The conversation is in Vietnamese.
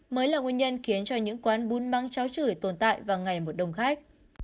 mới là nguyên nhân khiến cho những quán bún mắng cháo chửi tồn tại vào ngày một đông khách